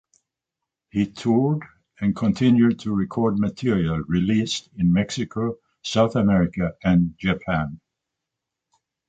He toured and continued to record material released in Mexico, South America, and Japan.